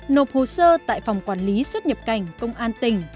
nộp hồ sơ tại phòng quản lý xuất nhập cảnh công an tỉnh